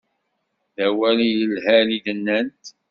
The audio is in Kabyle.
D awal i yelhan i d-nnant.